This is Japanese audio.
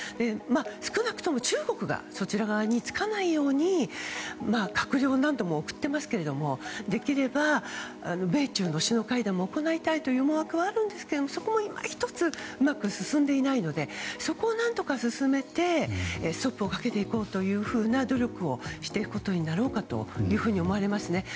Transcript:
少なくとも中国がそちら側につかないように閣僚を何度も送っていますけどできれば米中の首脳会談も行いたいという思惑もありますがそこも、いまひとつうまく進んでいないのでそこを何とか進めてストップをかけていこうという努力をしていくことになろうかと思われます。